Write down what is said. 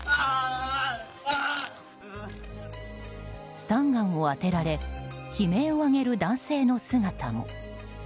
スタンガンを当てられ悲鳴を上げる男性の姿も。